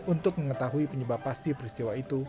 untuk mengetahui penyebab pasti peristiwa itu